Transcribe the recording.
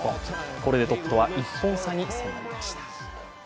これでトップとは１本差に迫りました。